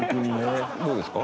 どうですか？